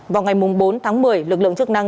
vào ngày bốn tháng một mươi lực lượng chức năng